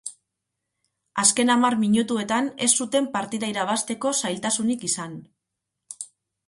Azken hamar minutuetan ez zuten partida irabazteko zailtasunik izan.